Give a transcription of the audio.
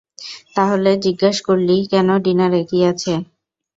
তাহলে জিজ্ঞেস করলি কেন ডিনারে কী আছে?